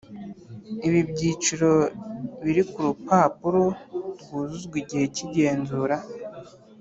Ibi byiciro biri ku rupapuro rwuzuzwa igihe cy’igenzura